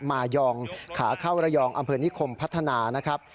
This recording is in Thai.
มายองขาเข้าระยองอำเภอนิคมพัฒนานะครับ